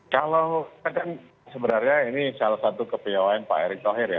kalau kan sebenarnya ini salah satu kepiawaian pak erick thohir ya